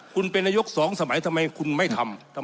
คุณเป็นนายกสองสมัยทำไมคุณไม่ทำ